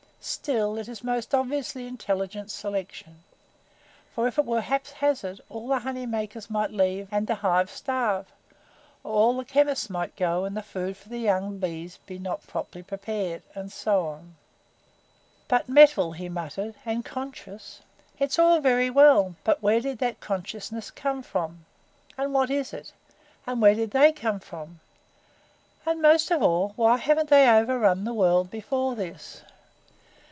Still it is most obviously intelligent selection. For if it were haphazard all the honeymakers might leave and the hive starve, or all the chemists might go and the food for the young bees not be properly prepared and so on and so on." "But metal," he muttered, "and conscious. It's all very well but where did that consciousness come from? And what is it? And where did they come from? And most of all, why haven't they overrun the world before this?